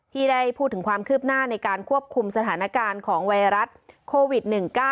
ที่ได้พูดถึงความคืบหน้าในการควบคุมสถานการณ์ของไวรัสโควิด๑๙